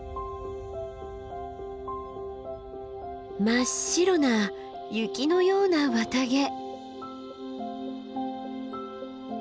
真っ白な雪のような綿毛。